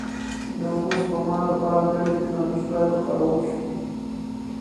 د اوبو سپما لپاره نوې ټکنالوژۍ باید وکارول شي.